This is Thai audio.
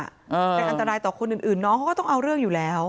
เป็นอันตรายต่อคนอื่นน้องเขาก็ต้องเอาเรื่องอยู่แล้ว